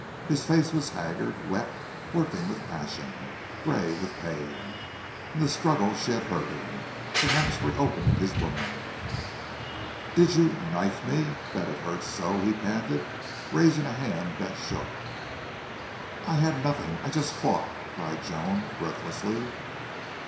His face was haggard, wet, working with passion, gray with pain. In the struggle she had hurt him, perhaps reopened his wound. "Did you knife me that it hurts so?" he panted, raising a hand that shook. "I had nothing.... I just fought," cried Joan, breathlessly.